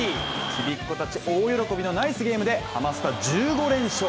ちびっこたち大喜びのナイスゲームでハマスタ１５連勝。